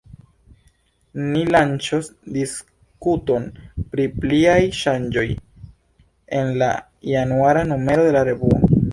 Ni lanĉos diskuton pri pliaj ŝanĝoj en la januara numero de la revuo.